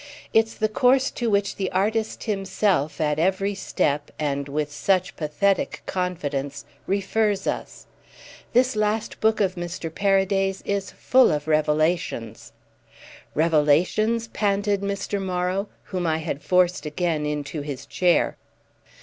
It's the course to which the artist himself at every step, and with such pathetic confidence, refers us. This last book of Mr. Paraday's is full of revelations." "Revelations?" panted Mr. Morrow, whom I had forced again into his chair.